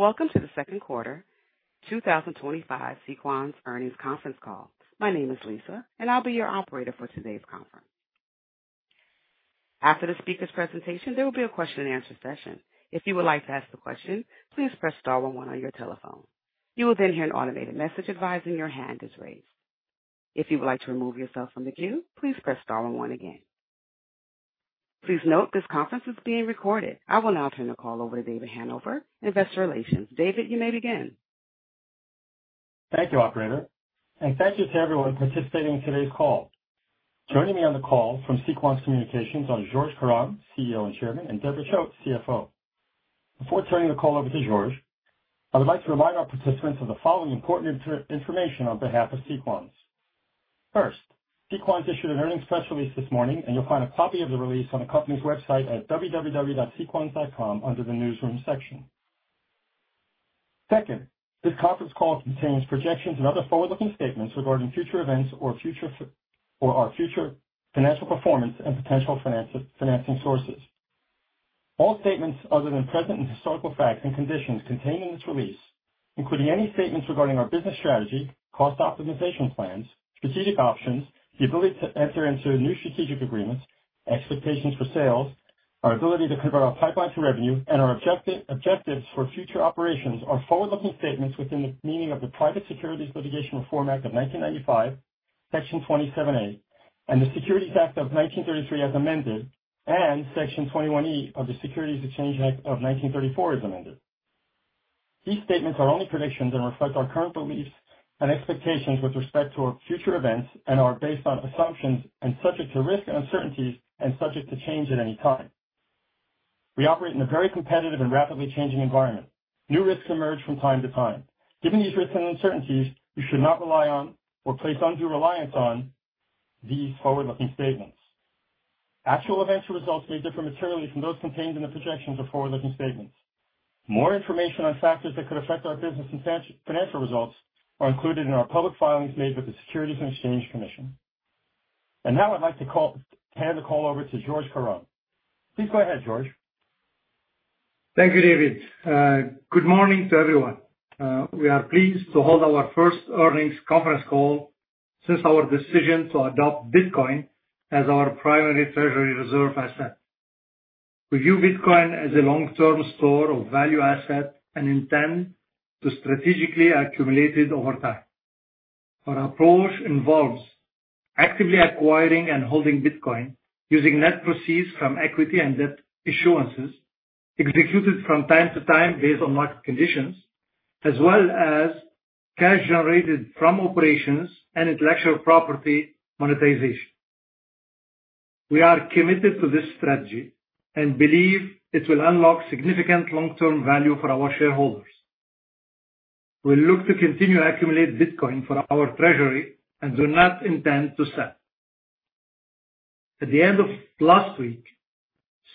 Welcome to the second quarter 2025 Sequans Earnings Conference Call. My name is Lisa, and I'll be your operator for today's conference. After the speaker's presentation, there will be a question-and-answer session. If you would like to ask a question, please press star one one on your telephone. You will then hear an automated message advising your hand is raised. If you would like to remove yourself from the queue, please press star one one again. Please note this conference is being recorded. I will now turn the call over to David Hanover, Investor Relations. David, you may begin. Thank you, Operator, and thank you to everyone participating in today's call. Joining me on the call from Sequans Communications are Georges Karam, CEO and Chairman, and Deborah Choate, CFO. Before turning the call over to Georges, I would like to remind our participants of the following important information on behalf of Sequans. First, Sequans issued an earnings press release this morning, and you'll find a copy of the release on the company's website at www.sequans.com under the newsroom section. Second, this conference call contains projections and other forward-looking statements regarding future events or our future financial performance and potential financing sources. All statements other than present and historical facts and conditions contained in this release, including any statements regarding our business strategy, cost optimization plans, strategic options, the ability to enter into new strategic agreements, expectations for sales, our ability to convert our pipeline to revenue, and our objectives for future operations, are forward-looking statements within the meaning of the Private Securities Litigation Reform Act of 1995, Section 27A, and the Securities Act of 1933 as amended, and Section 21E of the Securities Exchange Act of 1934 as amended. These statements are only predictions and reflect our current beliefs and expectations with respect to our future events and are based on assumptions and subject to risk and uncertainties and subject to change at any time. We operate in a very competitive and rapidly changing environment. New risks emerge from time to time. Given these risks and uncertainties, you should not rely on or place undue reliance on these forward-looking statements. Actual events or results may differ materially from those contained in the projections or forward-looking statements. More information on factors that could affect our business and financial results are included in our public filings made with the Securities and Exchange Commission. And now I'd like to hand the call over to Georges Karam. Please go ahead, Georges. Thank you, David. Good morning to everyone. We are pleased to hold our first earnings conference call since our decision to adopt Bitcoin as our primary treasury reserve asset. We view Bitcoin as a long-term store of value asset and intend to strategically accumulate it over time. Our approach involves actively acquiring and holding Bitcoin using net proceeds from equity and debt issuances, executed from time to time based on market conditions, as well as cash generated from operations and intellectual property monetization. We are committed to this strategy and believe it will unlock significant long-term value for our shareholders. We look to continue to accumulate Bitcoin for our treasury and do not intend to sell. At the end of last week,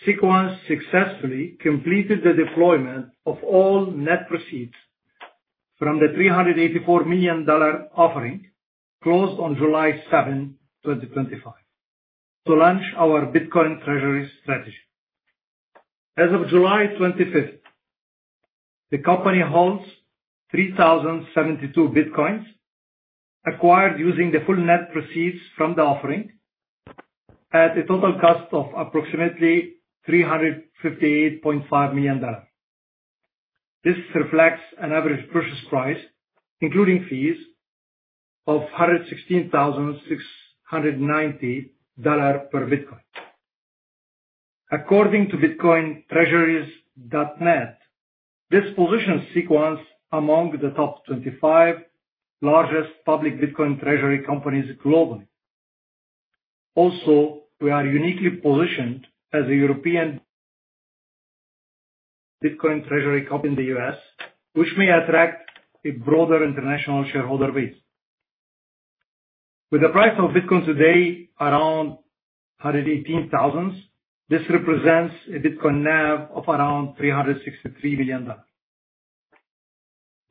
Sequans successfully completed the deployment of all net proceeds from the $384 million offering closed on July 7, 2025, to launch our Bitcoin treasury strategy. As of July 25, the company holds 3,072 Bitcoins acquired using the full net proceeds from the offering at a total cost of approximately $358.5 million. This reflects an average purchase price, including fees, of $116,690 per Bitcoin. According to bitcointreasuries.net, this positions Sequans among the top 25 largest public Bitcoin treasury companies globally. Also, we are uniquely positioned as a European Bitcoin treasury in the U.S., which may attract a broader international shareholder base. With the price of Bitcoin today around $118,000, this represents a Bitcoin NAV of around $363 million.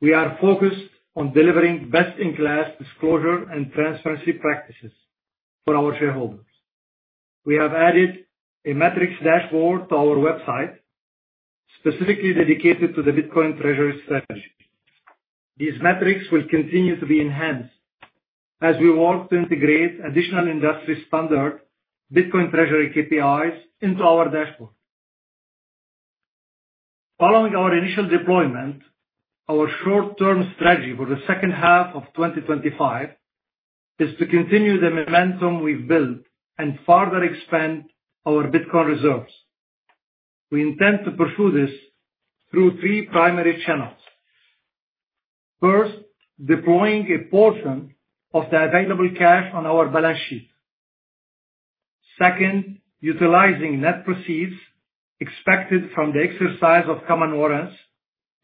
We are focused on delivering best-in-class disclosure and transparency practices for our shareholders. We have added a metrics dashboard to our website specifically dedicated to the Bitcoin treasury strategy. These metrics will continue to be enhanced as we work to integrate additional industry-standard Bitcoin treasury KPIs into our dashboard. Following our initial deployment, our short-term strategy for the second half of 2025 is to continue the momentum we've built and further expand our Bitcoin reserves. We intend to pursue this through three primary channels. First, deploying a portion of the available cash on our balance sheet. Second, utilizing net proceeds expected from the exercise of common warrants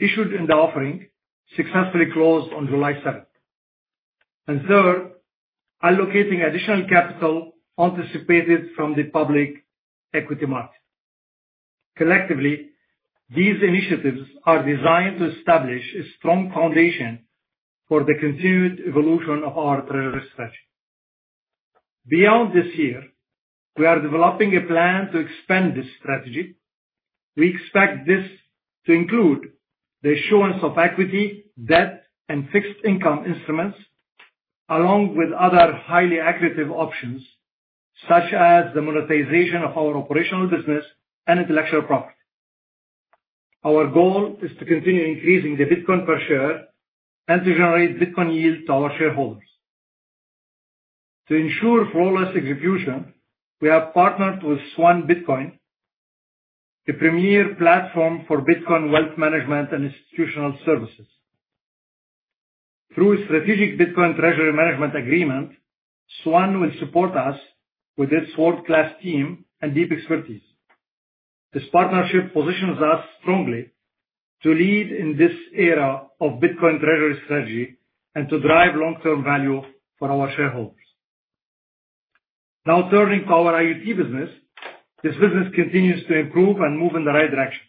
issued in the offering successfully closed on July 7. And third, allocating additional capital anticipated from the public equity market. Collectively, these initiatives are designed to establish a strong foundation for the continued evolution of our treasury strategy. Beyond this year, we are developing a plan to expand this strategy. We expect this to include the issuance of equity, debt, and fixed-income instruments, along with other highly accurate options such as the monetization of our operational business and intellectual property. Our goal is to continue increasing the Bitcoin per share and to generate Bitcoin yield to our shareholders. To ensure flawless execution, we have partnered with Swan Bitcoin, a premier platform for Bitcoin wealth management and institutional services. Through a strategic Bitcoin treasury management agreement, Swan will support us with its world-class team and deep expertise. This partnership positions us strongly to lead in this era of Bitcoin treasury strategy and to drive long-term value for our shareholders. Now turning to our IoT business, this business continues to improve and move in the right direction.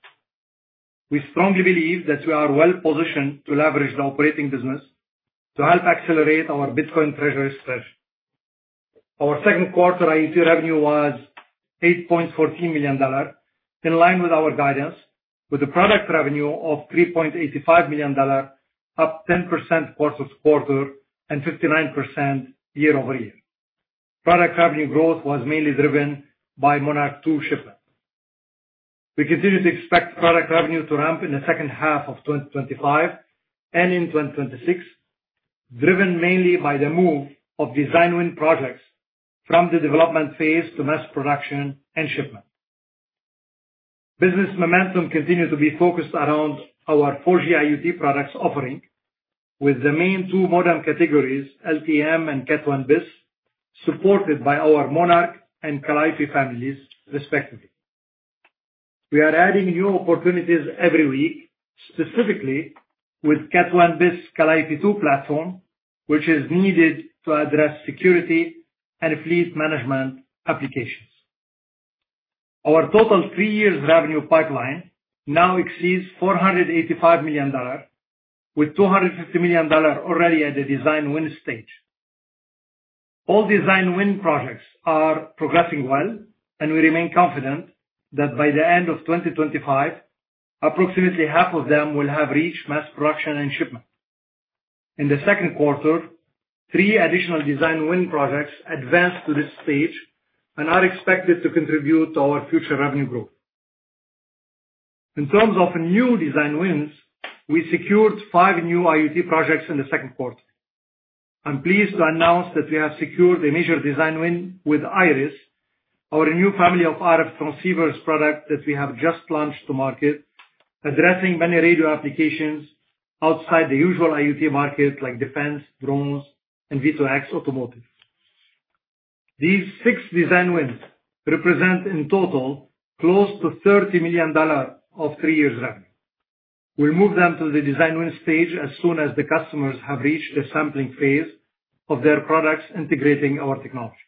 We strongly believe that we are well-positioned to leverage the operating business to help accelerate our Bitcoin treasury strategy. Our second quarter IoT revenue was $8.14 million, in line with our guidance, with a product revenue of $3.85 million, up 10% quarter-to-quarter and 59% year-over-year. Product revenue growth was mainly driven by Monarch II shipment. We continue to expect product revenue to ramp in the second half of 2025 and in 2026, driven mainly by the move of design-win projects from the development phase to mass production and shipment. Business momentum continues to be focused around our 4G IoT products offering, with the main two modem categories, LTE-M and Cat 1bis, supported by our Monarch and Calliope families, respectively. We are adding new opportunities every week, specifically with Cat 1bis Calliope 2 platform, which is needed to address security and fleet management applications. Our total three-year revenue pipeline now exceeds $485 million, with $250 million already at the design-win stage. All design-win projects are progressing well, and we remain confident that by the end of 2025, approximately half of them will have reached mass production and shipment. In the second quarter, three additional design-win projects advanced to this stage and are expected to contribute to our future revenue growth. In terms of new design wins, we secured five new IoT projects in the second quarter. I'm pleased to announce that we have secured a major design win with Iris, our new family of RF transceivers product that we have just launched to market, addressing many radio applications outside the usual IoT market, like defense, drones, and V2X automotive. These six design wins represent, in total, close to $30 million of three-year revenue. We'll move them to the design-win stage as soon as the customers have reached the sampling phase of their products integrating our technology.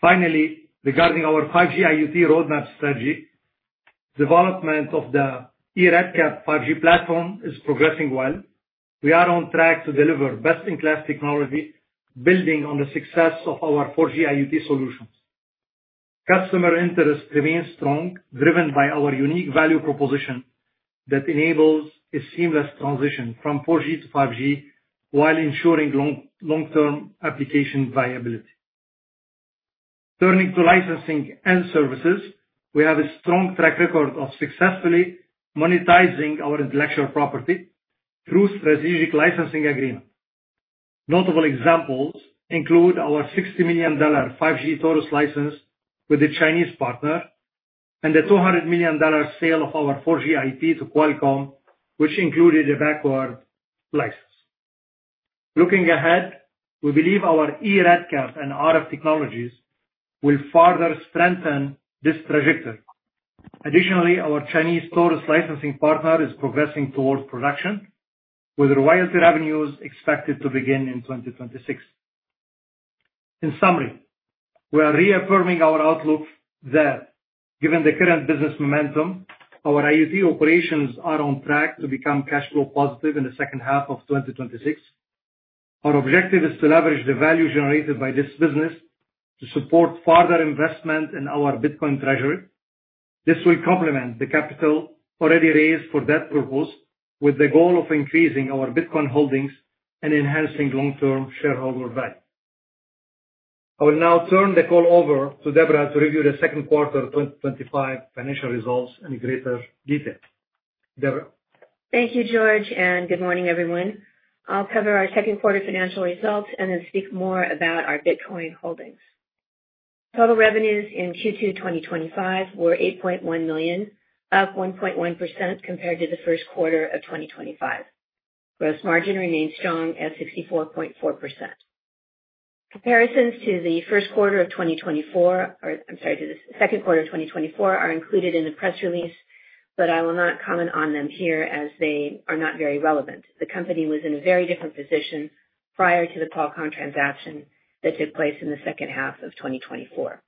Finally, regarding our 5G IoT roadmap strategy, development of the eRedCap 5G platform is progressing well. We are on track to deliver best-in-class technology, building on the success of our 4G IoT solutions. Customer interest remains strong, driven by our unique value proposition that enables a seamless transition from 4G to 5G while ensuring long-term application viability. Turning to licensing and services, we have a strong track record of successfully monetizing our intellectual property through strategic licensing agreements. Notable examples include our $60 million 5G Taurus license with a Chinese partner and the $200 million sale of our 4G IP to Qualcomm, which included a backward license. Looking ahead, we believe our eRedCap and RF technologies will further strengthen this trajectory. Additionally, our Chinese Taurus licensing partner is progressing towards production, with royalty revenues expected to begin in 2026. In summary, we are reaffirming our outlook that, given the current business momentum, our IoT operations are on track to become cash flow positive in the second half of 2026. Our objective is to leverage the value generated by this business to support further investment in our Bitcoin treasury. This will complement the capital already raised for that purpose, with the goal of increasing our Bitcoin holdings and enhancing long-term shareholder value. I will now turn the call over to Deborah to review the second quarter 2025 financial results in greater detail. Deborah. Thank you, Georges, and good morning, everyone. I'll cover our second quarter financial results and then speak more about our Bitcoin holdings. Total revenues in Q2 2025 were $8.1 million, up 1.1% compared to the first quarter of 2025. Gross margin remained strong at 64.4%. Comparisons to the first quarter of 2024, or I'm sorry, to the second quarter of 2024, are included in the press release, but I will not comment on them here as they are not very relevant. The company was in a very different position prior to the Qualcomm transaction that took place in the second half of 2024.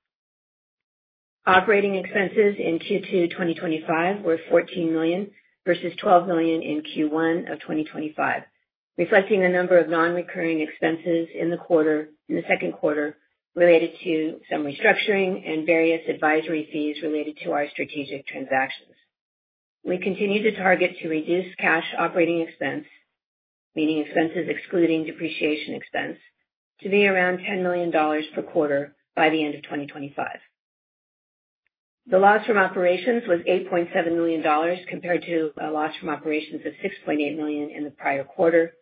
Operating expenses in Q2 2025 were $14 million vs $12 million in Q1 of 2025, reflecting a number of non-recurring expenses in the second quarter related to some restructuring and various advisory fees related to our strategic transactions. We continue to target to reduce cash operating expense, meaning expenses excluding depreciation expense, to be around $10 million per quarter by the end of 2025. The loss from operations was $8.7 million compared to a loss from operations of $6.8 million in the prior-quarter,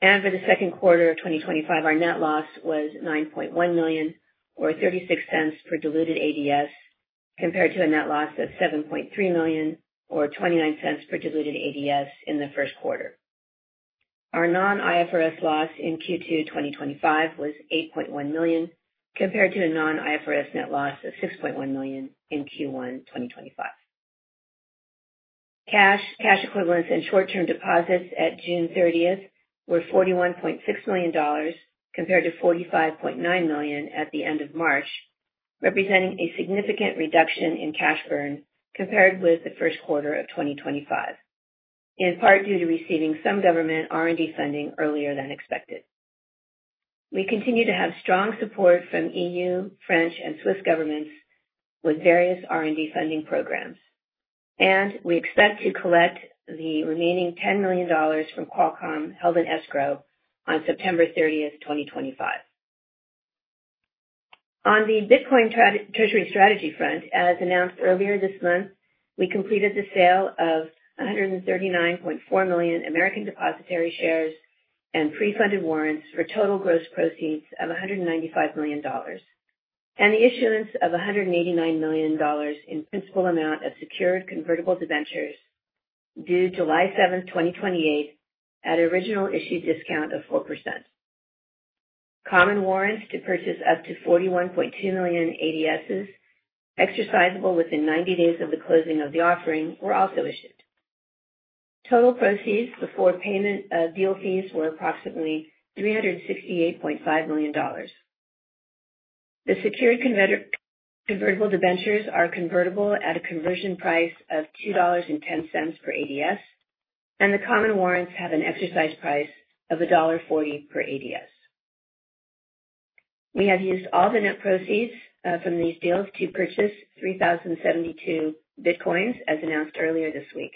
and for the second quarter of 2025, our net loss was $9.1 million, or $0.36 per diluted ADS, compared to a net loss of $7.3 million, or $0.29 per diluted ADS in the first quarter. Our non-IFRS loss in Q2 2025 was $8.1 million compared to a non-IFRS net loss of $6.1 million in Q1 2025. Cash, cash equivalents, and short-term deposits at June 30 were $41.6 million compared to $45.9 million at the end of March, representing a significant reduction in cash burn compared with the first quarter of 2025, in part due to receiving some government R&D funding earlier than expected. We continue to have strong support from E.U., French, and Swiss governments with various R&D funding programs, and we expect to collect the remaining $10 million from Qualcomm held in Escrow on September 30, 2025. On the Bitcoin treasury strategy front, as announced earlier this month, we completed the sale of $139.4 million American Depositary Shares and pre-funded warrants for total gross proceeds of $195 million and the issuance of $189 million in principal amount of secured convertible debentures due July 7, 2028, at original issue discount of 4%. Common warrants to purchase up to 41.2 million ADSs, exercisable within 90 days of the closing of the offering, were also issued. Total proceeds before payment of deal fees were approximately $368.5 million. The secured convertible debentures are convertible at a conversion price of $2.10 per ADS, and the common warrants have an exercise price of $1.40 per ADS. We have used all the net proceeds from these deals to purchase 3,072 Bitcoins, as announced earlier this week.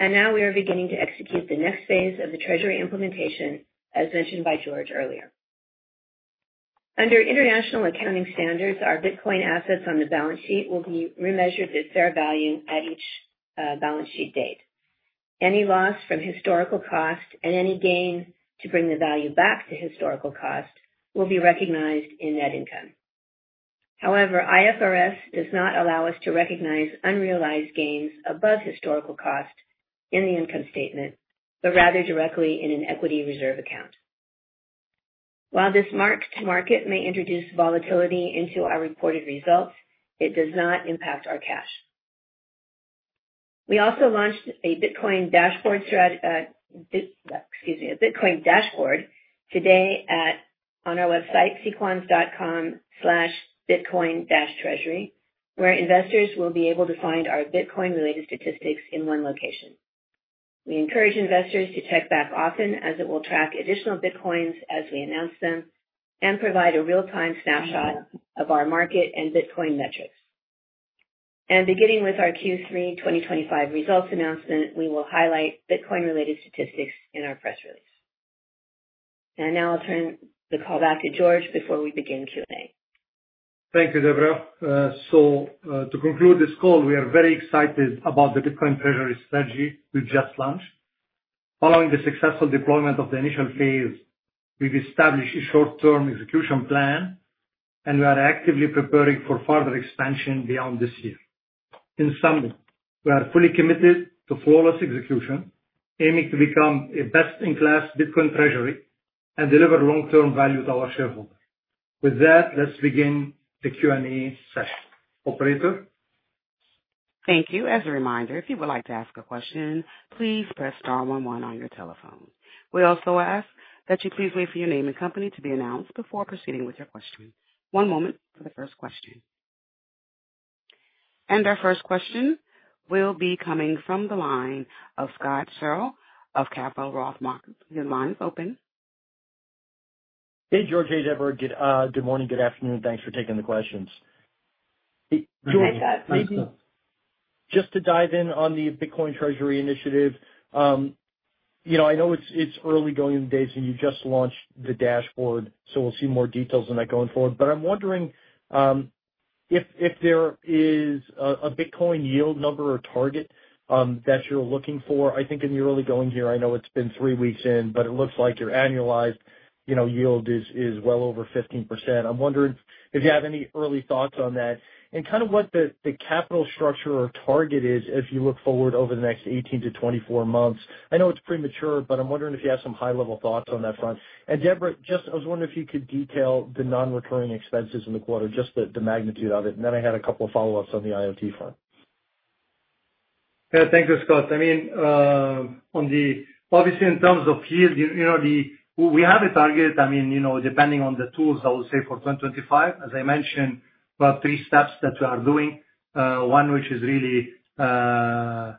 Now we are beginning to execute the next phase of the treasury implementation, as mentioned by Georges earlier. Under international accounting standards, our Bitcoin assets on the balance sheet will be remeasured at fair value at each balance sheet date. Any loss from historical cost and any gain to bring the value back to historical cost will be recognized in net income. However, IFRS does not allow us to recognize unrealized gains above historical cost in the income statement, but rather directly in an equity reserve account. While this market may introduce volatility into our reported results, it does not impact our cash. We also launched a Bitcoin dashboard today on our website, sequans.com/bitcoin-treasury, where investors will be able to find our Bitcoin-related statistics in one location. We encourage investors to check back often, as it will track additional Bitcoins as we announce them and provide a real-time snapshot of our market and Bitcoin metrics, and now I'll turn the call back to Georges before we begin Q&A. Thank you, Deborah. So to conclude this call, we are very excited about the Bitcoin treasury strategy we've just launched. Following the successful deployment of the initial phase, we've established a short-term execution plan, and we are actively preparing for further expansion beyond this year. In summary, we are fully committed to flawless execution, aiming to become a best-in-class Bitcoin treasury and deliver long-term value to our shareholders. With that, let's begin the Q&A session. Operator. Thank you. As a reminder, if you would like to ask a question, please press star one one on your telephone. We also ask that you please wait for your name and company to be announced before proceeding with your question. One moment for the first question, and our first question will be coming from the line of Scott Searle of Roth Capital Markets. Your line is open. Hey, Georges and Deborah. Good morning. Good afternoon. Thanks for taking the questions. Georges, just to dive in on the bitcoin treasury initiative, I know it's early going in the days, and you just launched the dashboard, so we'll see more details on that going forward. But I'm wondering if there is a Bitcoin yield number or target that you're looking for? I think in the early going here, I know it's been three weeks in, but it looks like your annualized yield is well over 15%. I'm wondering if you have any early thoughts on that and kind of what the capital structure or target is as you look forward over the next 18 to 24 months? I know it's premature, but I'm wondering if you have some high-level thoughts on that front? Deborah, just I was wondering if you could detail the non-recurring expenses in the quarter, just the magnitude of it, and then I had a couple of follow-ups on the IoT front. Yeah, thank you, Scott. I mean, obviously, in terms of yield, we have a target. I mean, depending on the tools, I will say for 2025, as I mentioned, we have three steps that we are doing. One, which is really a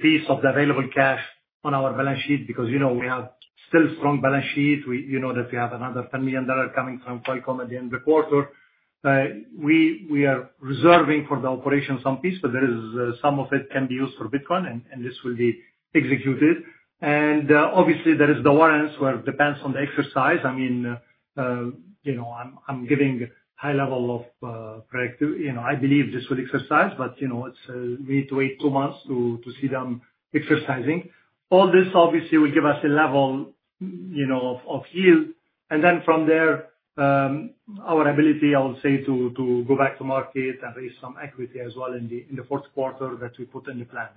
piece of the available cash on our balance sheet, because we have still strong balance sheet. You know that we have another $10 million coming from Qualcomm at the end of the quarter. We are reserving for the operation some piece, but some of it can be used for Bitcoin, and this will be executed. And obviously, there is the warrants where it depends on the exercise. I mean, I'm giving a high level of predictability. I believe this will exercise, but we need to wait two months to see them exercising. All this, obviously, will give us a level of yield, and then from there, our ability, I will say, to go back to market and raise some equity as well in the fourth quarter that we put in the plan.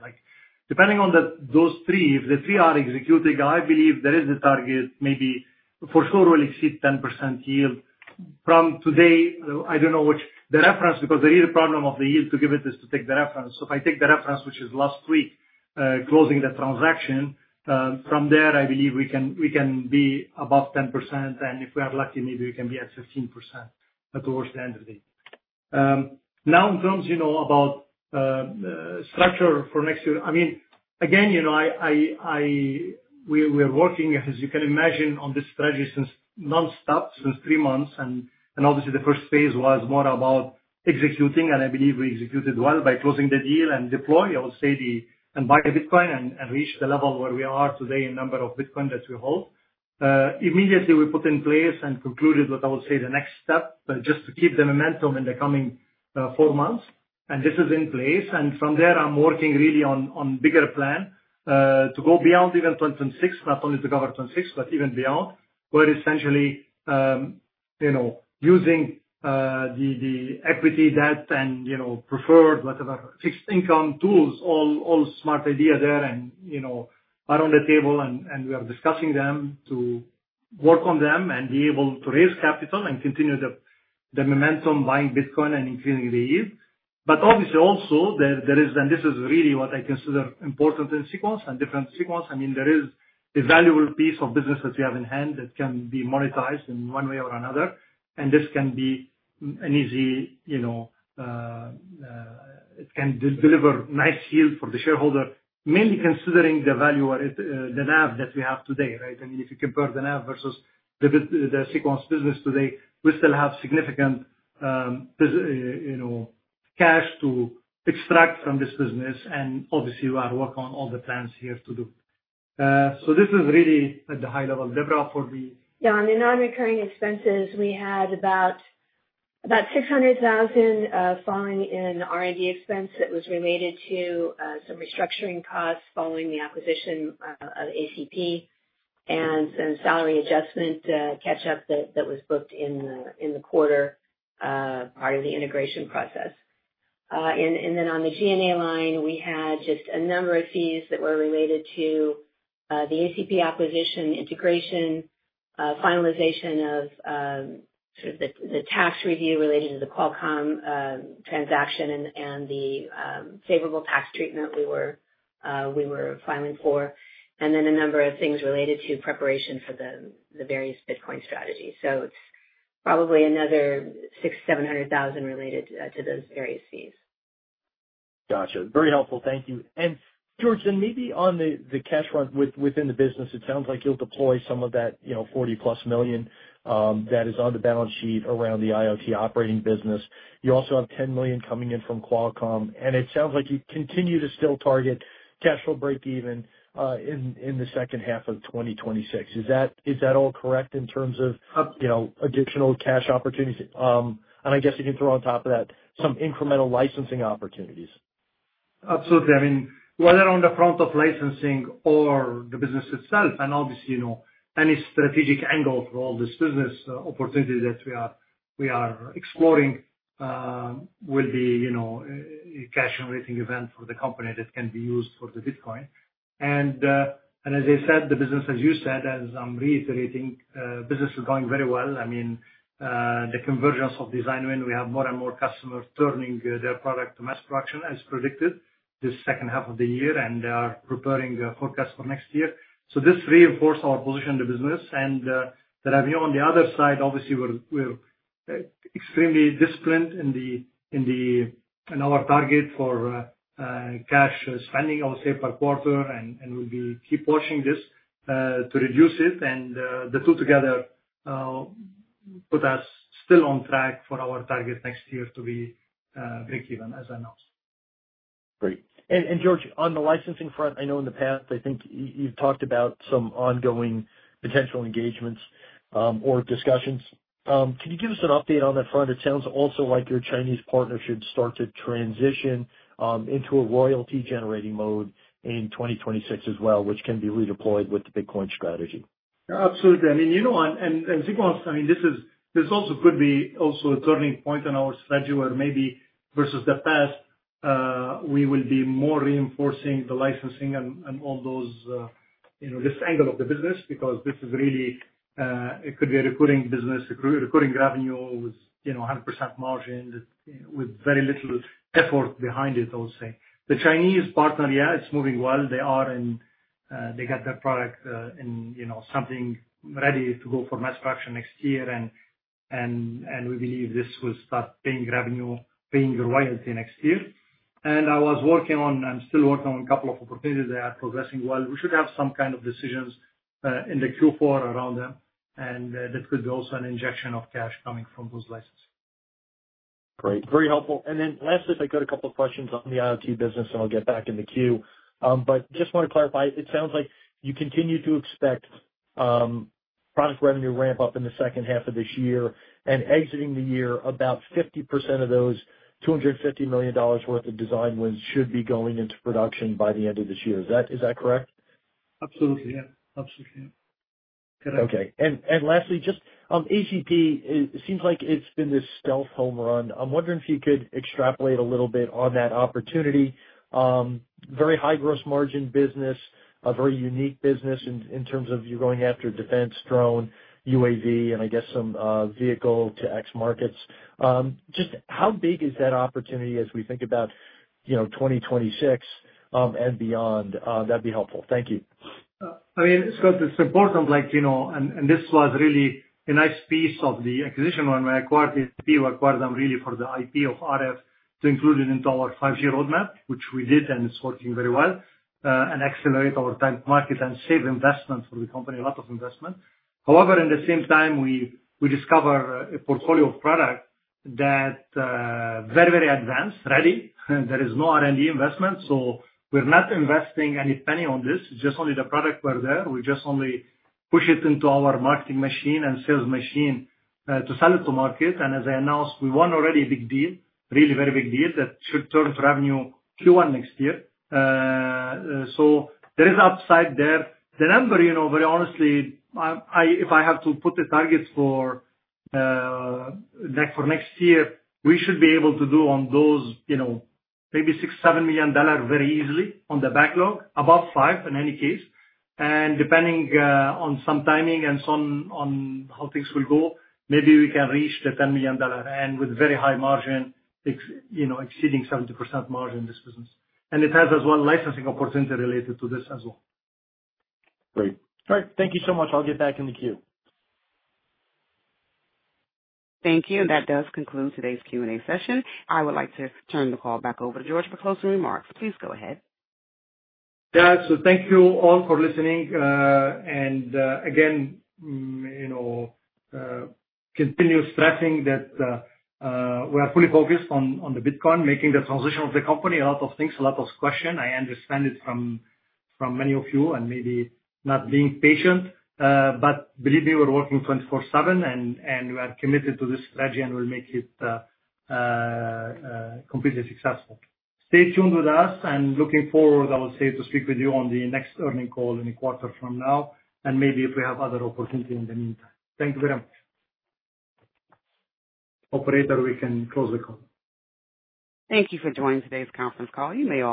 Depending on those three, if the three are executed, I believe there is a target, maybe for sure we'll exceed 10% yield from today. I don't know which the reference, because the real problem of the yield to give it is to take the reference, so if I take the reference, which is last week, closing the transaction, from there, I believe we can be above 10%, and if we are lucky, maybe we can be at 15% towards the end of the year. Now, in terms about structure for next year, I mean, again, we are working, as you can imagine, on this strategy nonstop since three months, and obviously, the first phase was more about executing, and I believe we executed well by closing the deal and deploy. I will say the, and buy Bitcoin and reach the level where we are today in number of Bitcoin that we hold. Immediately, we put in place and concluded what I will say, the next step, just to keep the momentum in the coming four months, and this is in place, and from there, I'm working really on a bigger plan to go beyond even 2026, not only to cover 2026, but even beyond, where essentially using the equity, debt and preferred, whatever, fixed income tools, all smart ideas there. And I'm on the table, and we are discussing them to work on them and be able to raise capital and continue the momentum buying Bitcoin and increasing the yield. But obviously, also, there is, and this is really what I consider important in Sequans and different Sequans. I mean, there is a valuable piece of business that we have in hand that can be monetized in one way or another. And this can be an easy it can deliver nice yield for the shareholder, mainly considering the value or the NAV that we have today, right? I mean, if you compare the NAV versus the Sequans business today, we still have significant cash to extract from this business. And obviously, we are working on all the plans here to do. So this is really at the high level. Deborah, for the. Yeah, on the non-recurring expenses, we had about $600,000 falling in R&D expense that was related to some restructuring costs following the acquisition of ACP and some salary adjustment catch-up that was booked in the quarter, part of the integration process. And then on the G&A line, we had just a number of fees that were related to the ACP acquisition integration, finalization of sort of the tax review related to the Qualcomm transaction and the favorable tax treatment we were filing for, and then a number of things related to preparation for the various Bitcoin strategies. So it's probably another $600,000-$700,000 related to those various fees. Gotcha. Very helpful. Thank you. And Georges, then maybe on the cash front within the business, it sounds like you'll deploy some of that $40-plus million that is on the balance sheet around the IoT operating business. You also have $10 million coming in from Qualcomm. And it sounds like you continue to still target cash flow break-even in the second half of 2026. Is that all correct in terms of additional cash opportunities? And I guess you can throw on top of that some incremental licensing opportunities. Absolutely. I mean, whether on the front of licensing or the business itself, and obviously, any strategic angle for all this business opportunity that we are exploring will be a cash-generating event for the company that can be used for the Bitcoin. And as I said, the business, as you said, as I'm reiterating, business is going very well. I mean, the convergence of design-win, we have more and more customers turning their product to mass production as predicted this second half of the year, and they are preparing forecasts for next year. So this reinforces our position in the business. And the revenue on the other side, obviously, we're extremely disciplined in our target for cash spending, I would say, per quarter, and we'll keep watching this to reduce it. The two together put us still on track for our target next year to be break-even, as announced. Great, and Georges, on the licensing front, I know in the past, I think you've talked about some ongoing potential engagements or discussions. Can you give us an update on that front? It sounds also like your Chinese partnership started transition into a royalty-generating mode in 2026 as well, which can be redeployed with the Bitcoin strategy. Absolutely. I mean, you know, and Sequans, I mean, this also could be a turning point in our strategy where maybe versus the past, we will be more reinforcing the licensing and all those, this angle of the business because this is really, it could be a recurring business, recurring revenue with 100% margin with very little effort behind it, I would say. The Chinese partner, yeah, it's moving well. They are, they got their product in something ready to go for mass production next year. And we believe this will start paying revenue, paying royalty next year. And I was working on, I'm still working on a couple of opportunities that are progressing well. We should have some kind of decisions in the Q4 around them. And that could be also an injection of cash coming from those licenses. Great. Very helpful. And then lastly, if I could, a couple of questions on the IoT business, and I'll get back in the queue. But just want to clarify, it sounds like you continue to expect product revenue ramp up in the second half of this year and exiting the year, about 50% of those $250 million worth of design wins should be going into production by the end of this year. Is that correct? Absolutely. Yeah. Absolutely. Yeah. Okay. And lastly, just ACP, it seems like it's been this stealth home run. I'm wondering if you could extrapolate a little bit on that opportunity. Very high gross margin business, a very unique business in terms of you're going after defense, drone, UAV, and I guess some vehicle-to-X markets. Just how big is that opportunity as we think about 2026 and beyond? That'd be helpful. Thank you. I mean, Scott, it's important, like, and this was really a nice piece of the acquisition when we acquired ACP. We acquired them really for the IP of RF to include it into our 5G roadmap, which we did, and it's working very well and accelerate our time to market and save investment for the company, a lot of investment. However, at the same time, we discover a portfolio of product that is very, very advanced, ready. There is no R&D investment. So we're not investing any penny on this. It's just only the product were there. We just only push it into our marketing machine and sales machine to sell it to market. And as I announced, we won already a big deal, really very big deal that should turn to revenue Q1 next year. So there is upside there. The number, very honestly, if I have to put the targets for next year, we should be able to do on those maybe $6million-$7 million very easily on the backlog, above $5 million in any case. And depending on some timing and on how things will go, maybe we can reach the $10 million and with very high margin, exceeding 70% margin in this business. And it has as well licensing opportunity related to this as well. Great. All right. Thank you so much. I'll get back in the queue. Thank you, and that does conclude today's Q&A session. I would like to turn the call back over to Georges for closing remarks. Please go ahead. Yeah. So thank you all for listening. And again, continuously stressing that we are fully focused on the Bitcoin, making the transition of the company, a lot of things, a lot of questions. I understand it from many of you and maybe not being patient. But believe me, we're working 24/7, and we are committed to this strategy and will make it completely successful. Stay tuned with us. And I look forward to speaking with you on the next earnings call in a quarter from now, and maybe if we have other opportunity in the meantime. Thank you very much. Operator, we can close the call. Thank you for joining today's conference call. You may.